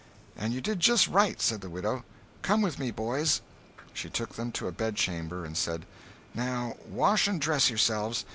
"And you did just right," said the widow. "Come with me, boys." She took them to a bedchamber and said: "Now wash and dress yourselves.